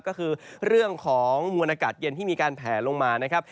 ก็คือเรื่องของมวลอากาศเย็นที่มีการแผลลงมานะครับ